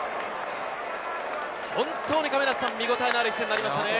本当に見応えのある一戦でしたね。